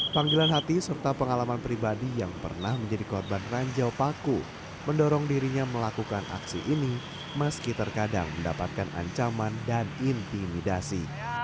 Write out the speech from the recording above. panggilan hati serta pengalaman pribadi yang pernah menjadi korban ranjau paku mendorong dirinya melakukan aksi ini meski terkadang mendapatkan ancaman dan intimidasi